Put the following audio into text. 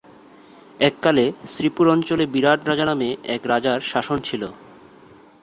এককালে শ্রীপুর অঞ্চলে বিরাট রাজা নামে এক রাজার শাসন ছিল।